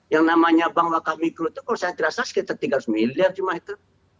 yang namanya bank wakaf mikro itu kalau saya tidak salah sekitar tiga ratus miliar cuma itu